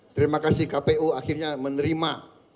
terima kasih kpu akhirnya menerima